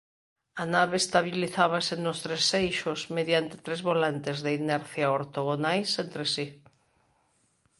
A nave estabilizábase nos tres eixos mediante tres volantes de inercia ortogonais entre si.